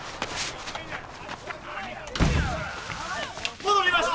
戻りました！